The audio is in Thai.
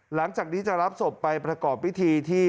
หลังจากนี้จะรับศพไปประกอบพิธีที่